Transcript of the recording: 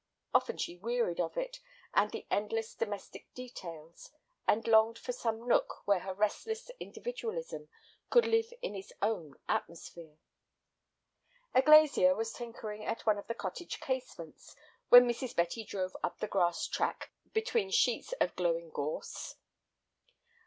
Often she wearied of it and the endless domestic details, and longed for some nook where her restless individualism could live in its own atmosphere. A glazier was tinkering at one of the cottage casements when Mrs. Betty drove up the grass track between sheets of glowing gorse.